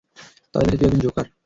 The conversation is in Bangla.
তাদের কাছে তুই একজন জোকার।